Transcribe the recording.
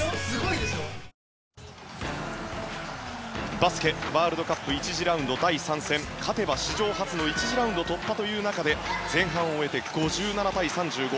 バスケワールドカップ１次ラウンド第３戦勝てば史上初の１次ラウンド突破という中で前半を終えて５７対３５。